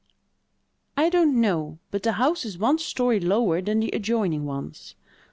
"I don't know: but the house is one story lower than the adjoining ones.